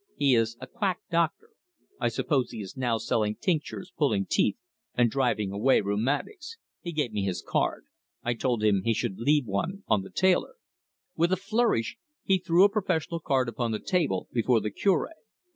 He is a quack doctor. I suppose he is now selling tinctures, pulling teeth, and driving away rheumatics. He gave me his card. I told him he should leave one on the tailor." With a flourish he threw a professional card upon the table, before the Cure.